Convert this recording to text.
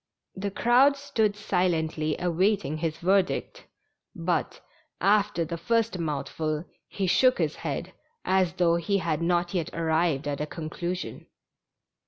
The crowd stood silently awaiting his verdict, but, after the first mouthful, he shook his head, as though he had not yet arrived at a conclusion.